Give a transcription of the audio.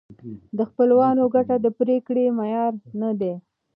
د خپلوانو ګټه د پرېکړې معیار نه دی.